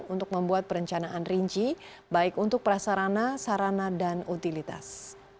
untuk membuat perencanaan rinci baik untuk prasarana sarana dan utilitas